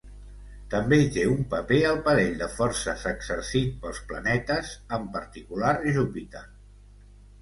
També hi té un paper el parell de forces exercit pels planetes, en particular Júpiter.